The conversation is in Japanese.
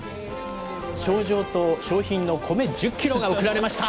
賞状と商品のコメ１０キロが贈られました。